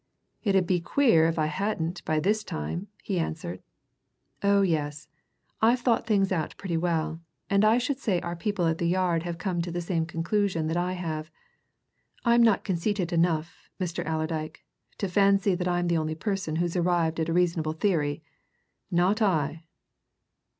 "It 'ud be queer if I hadn't, by this time," he answered. "Oh yes, I've thought things out pretty well, and I should say our people at the Yard have come to the same conclusion that I have I'm not conceited enough, Mr. Allerdyke, to fancy that I'm the only person who's arrived at a reasonable theory, not I?"